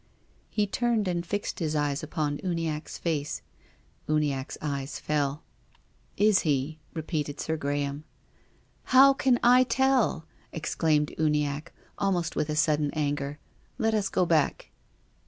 " He turned and fi.xcd his eyes upon Uniacke's face. Uniacke's eyes fell. " Is he ?" repeated Sir Graham. " How can I tell ?" exclaimed Uniacke, almost with a sudden anger. " Let us go back."